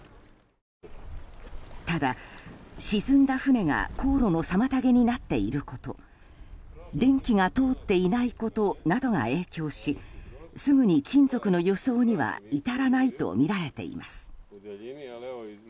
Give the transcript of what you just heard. ただ、沈んだ船が航路の妨げになっていること電気が通っていないことなどが影響しすぐに金属の輸送には至らないとみられています。